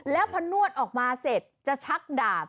แล้วพอนวดออกมาเสร็จจะชักดาบ